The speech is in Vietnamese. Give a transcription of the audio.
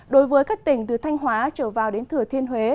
đối với các tỉnh từ thanh hóa trở vào đến thừa thiên huế